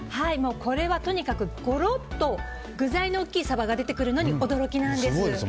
これはとにかくゴロッと具材の大きいサバが出てくるのに驚きなんです。